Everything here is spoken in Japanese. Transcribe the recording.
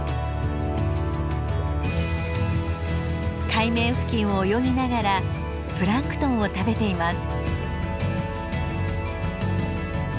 海面付近を泳ぎながらプランクトンを食べています。